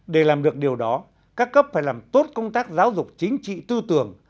để làm được điều đó các cấp phải làm tốt công tác giáo dục chính trị tư tưởng